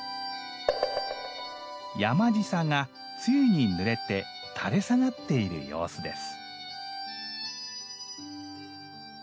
「山ぢさ」が露にぬれて垂れ下がっている様子です。